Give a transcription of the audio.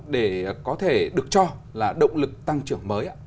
để có thể được cho là động lực tăng trưởng mới